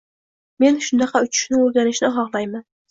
— Men shunaqa uchishni o‘rganishni xohlayman